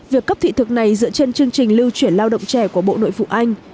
việc cấp thị thực này dựa trên chương trình lưu chuyển lao động trẻ của bộ nội vụ anh